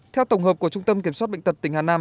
theo tổng hợp của trung tâm kiểm soát bệnh tật tỉnh hà nam